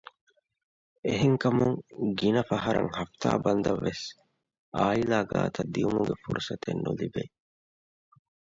އެހެން ކަމުން ގިނަ ފަހަރަށް ހަފުތާ ބަންދަށް ވެސް އާއިލާ ގާތަށް ދިއުމުގެ ފުރުސަތެއް ނުލިބޭ